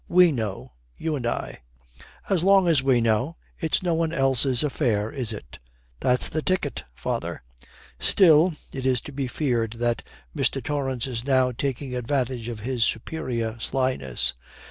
We know, you and I.' 'As long as we know, it's no one else's affair, is it?' 'That's the ticket, father.' 'Still ' It is to be feared that Mr. Torrance is now taking advantage of his superior slyness.